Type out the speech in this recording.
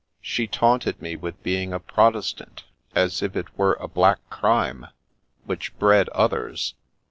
She taunted me with being a Protestant, as if it were a black crime which bred others.